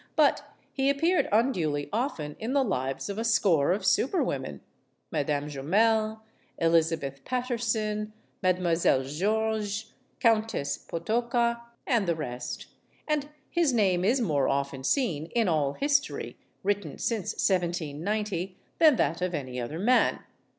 But he ap peared unduly often in the lives of a score of super Avomen Madame Jumel, Elizabeth Paterson, Madam oiselle Georges, Countess Potocka, and the rest and his name is more often seen in all history, written since 1 790, than that of any other man.